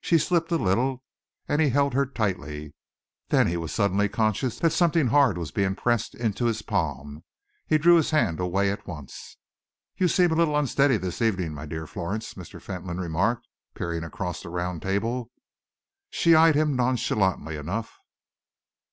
She slipped a little, and he held her tightly. Then he was suddenly conscious that something hard was being pressed into his palm. He drew his hand away at once. "You seem a little unsteady this evening, my dear Florence," Mr. Fentolin remarked, peering across the round table. She eyed him nonchalantly enough.